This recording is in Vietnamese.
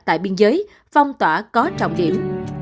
tại biên giới phong tỏa có trọng điểm